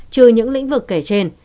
trừ những lĩnh vực kể trên